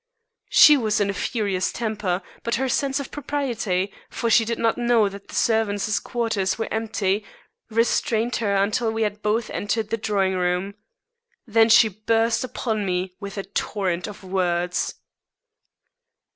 She was in a furious temper, but her sense of propriety for she did not know that the servants' quarters were empty restrained her until we had both entered the drawing room. Then she burst upon me with a torrent of words.